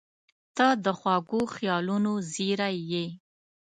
• ته د خوږو خیالونو زېری یې.